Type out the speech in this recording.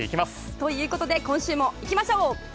ということで今週もいきましょう。